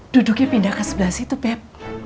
duduknya pindah ke sebelah situ bep